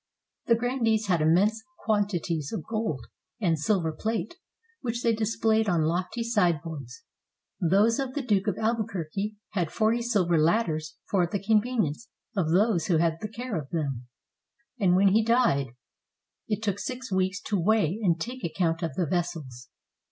The grandees had immense quantities of gold and silver plate, which they displayed on lofty sideboards. Those of the Duke of Albuquerque had forty silver ladders for the convenience of those who had the care of them; and when he died, it took six weeks to weigh and take account of the vessels.